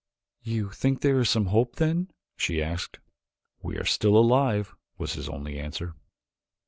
"You think there is some hope, then?" she asked. "We are still alive," was his only answer.